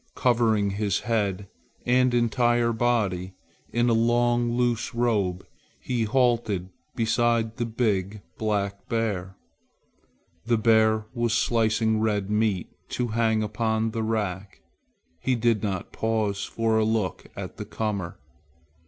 Covering his head and entire body in a long loose robe he halted beside the big black bear. The bear was slicing red meat to hang upon the rack. He did not pause for a look at the comer.